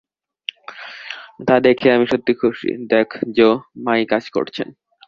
তা দেখে আমি সত্যি খুশী! দেখ জো, মা-ই কাজ করছেন।